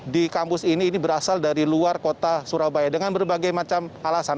di kampus ini ini berasal dari luar kota surabaya dengan berbagai macam alasan